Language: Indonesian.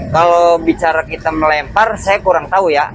kalau bicara kita melempar saya kurang tahu ya